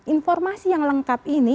informasi yang lengkap ini